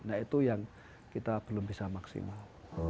nah itu yang kita belum bisa maksimal